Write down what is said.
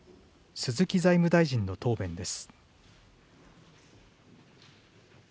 鈴木財務大臣の答弁です。